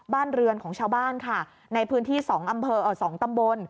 บ้านเรือนของชาวบ้านในพื้นที่๒ตำบล